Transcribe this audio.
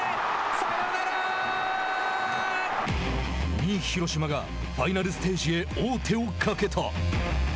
２位広島がファイナルステージへ王手をかけた。